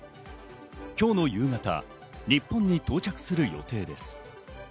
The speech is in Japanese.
今日の夕方、日本に到着する予定です。